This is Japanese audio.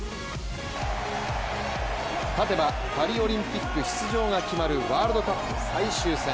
勝てばパリオリンピック出場が決まるワールドカップ最終戦。